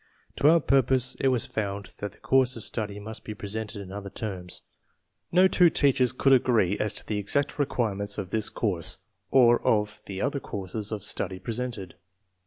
For our purpose it was found that the course of study must be presented in other terms. No two teachers could agree as to the exact requirements of this course, or of the other courses of study pre sented.